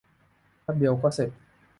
แปบเดียวก็เสร็จ